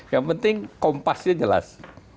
yang penting kompasnya jelas